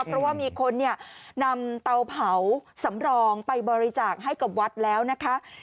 เพราะว่ามีคนเนี่ยนำเตาเผาสำรองไปบริจาคให้กับวัดแล้วนะคะ